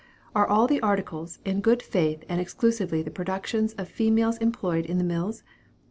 Are all the articles, in good faith and exclusively the productions of females employed in the mills?